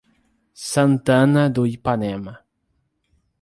Santana do Ipanema